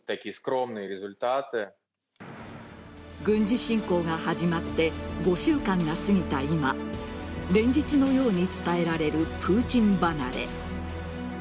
軍事侵攻が始まって５週間が過ぎた今連日のように伝えられるプーチン離れ。